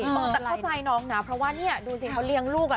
แต่เข้าใจน้องนะเพราะว่านี่ดูสิเขาเลี้ยงลูก